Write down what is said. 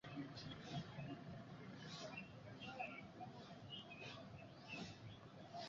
Ikiongezea kwamba “Kigali haijihusishi kwa namna yoyote na mashambulizi ya waasi hao nchini Jamhuri ya kidemokrasia ya Kongo."